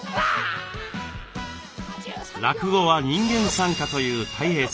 落語は人間賛歌というたい平さん。